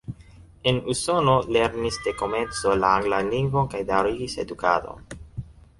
En Usono lernis de komenco la anglan lingvon kaj daŭrigis edukadon.